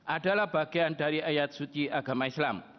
adalah bagian dari ayat suci agama islam